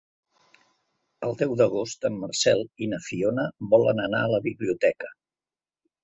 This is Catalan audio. El deu d'agost en Marcel i na Fiona volen anar a la biblioteca.